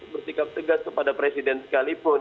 bersikap tegas kepada presiden sekalipun